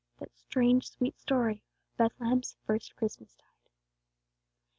That strange sweet story of Bethlehem's first Christmas tide.